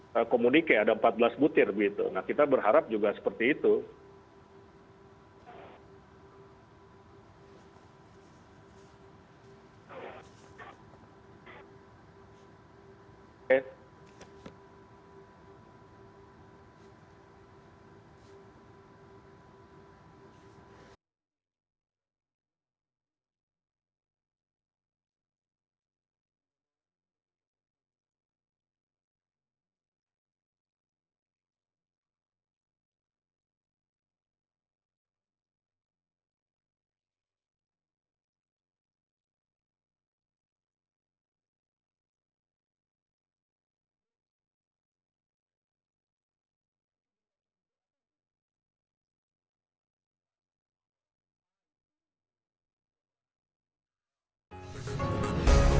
terima kasih peu pemirsa agar masih bersama kami di indonesia forward